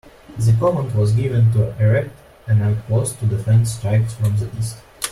The command was given to erect an outpost to defend strikes from the east.